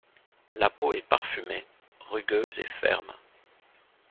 La peau est parfumée, rugueuse et ferme.